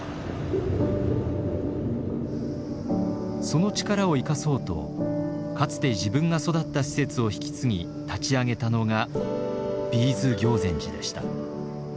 その力を生かそうとかつて自分が育った施設を引き継ぎ立ち上げたのがＢ’ｓ行善寺でした。